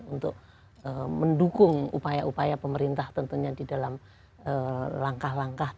untuk mendukung upaya upaya pemerintah tentunya di dalam langkah langkah